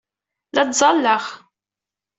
La ttẓallaɣ.